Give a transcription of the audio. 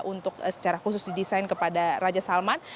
untuk secara khusus didesain kepada raja salman